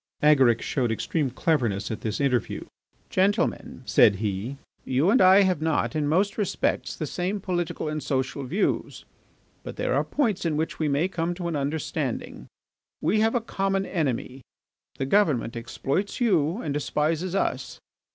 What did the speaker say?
Agaric showed extreme cleverness at this interview. "Gentlemen," said he, "you and I have not, in most respects, the same political and social views, but there are points in which we may come to an understanding. We have a common enemy. The government exploits you and despises us.